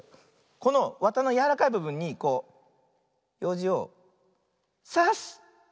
このわたのやわらかいぶぶんにこうようじをさす！